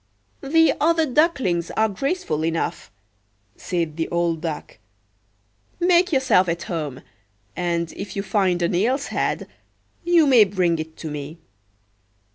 "The other ducklings are graceful enough," said the old Duck. "Make yourself at home; and if you find an eel's head, you may bring it to me."